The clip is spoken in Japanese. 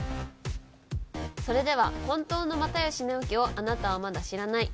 それでは「本当の又吉直樹をあなたはまだ知らない」。